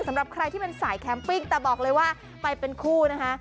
สำหรับใครที่เป็นสายแคมปิ้งแต่บอกเลยว่าไปเป็นคู่นะคะ